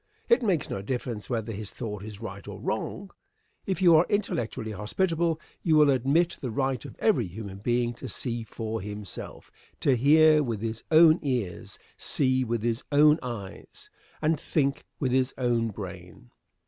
It makes no difference whether his thought is right or wrong. If you are intellectually hospitable you will admit the right of every human being to see for himself; to hear with his own ears, see with his own eyes, and think with his own brain.